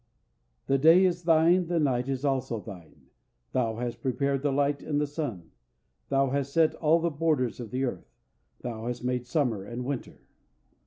] The day is Thine, the night also is Thine; Thou hast prepared the light and the sun; Thou hast set all the borders of the earth; Thou hast made Summer and Winter.